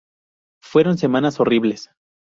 Fueron semanas horribles.